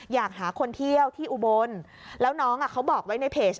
อยากหาคนเที่ยวที่อุบลแล้วน้องเขาบอกไว้ในเพจ